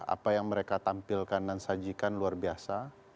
apa yang mereka tampilkan dan sajikan luar biasa